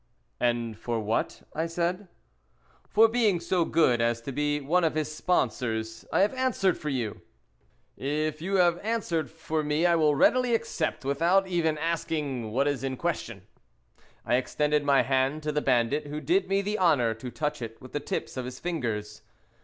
"And for what?" I said. "For being so good as to be one of his sponsors. I have answered for you!" "If you have answered for me I will readily accept, without even asking what is in question." I extended my hand to the bandit, who did me the honour to touch it with the tips of his fingers.